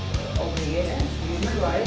cara cara yang lebih mudah